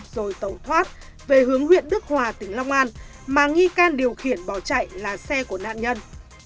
rồi tẩu thoát về hướng huyện đức hòa tỉnh long an mà nghi can điều khiển bỏ chạy là xe của nạn nhân